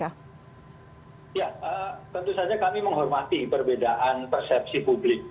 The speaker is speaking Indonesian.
ya tentu saja kami menghormati perbedaan persepsi publik